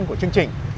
của chương trình